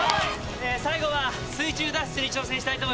最後は水中脱出に挑戦したいと。